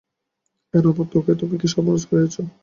কেন মা, লোকের তুমি কী সর্বনাশ করিয়াছ?